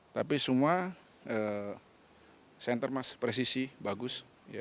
tapi semua saya termasuk presisi bagus